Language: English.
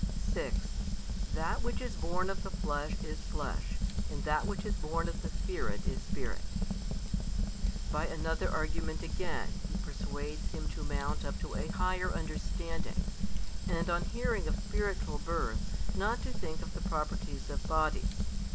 6 That which is born of the flesh is flesh, and that which is born of the Spirit is spirit. By another argument again He persuades him to mount up to a higher understanding, and on hearing of spiritual birth, not to think of the properties of bodies.